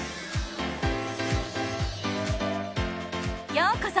ようこそ！